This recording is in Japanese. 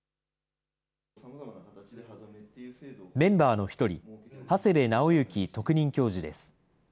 メンバーの１人、長谷部直幸特任教授です。